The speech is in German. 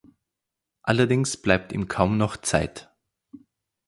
Allerdings bleibt ihm kaum noch Zeit.